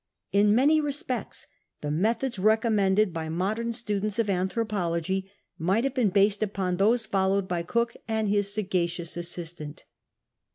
In nniny respects the methods reconinicnded by modern students of anthropology might have l)cen based upon those followed by Cook and his sagfic.ioiis assistant.